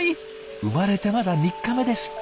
生まれてまだ３日目ですって。